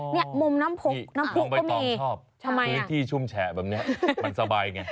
นี่มุมน้ำพลุกก็มีทำไมล่ะคือที่ชุ่มแฉะแบบนี้มันสบายไง